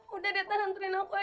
udah deh tan anterin aku aja ya